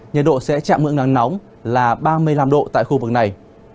nhiệt độ sẽ chạm ngưỡng nắng nóng là ba mươi năm độ tại khu vực này